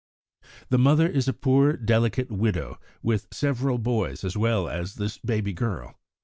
"The mother is a poor, delicate widow, with several boys as well as this baby girl.